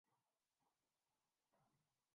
پورے دن میں بس تین چار ہی ۔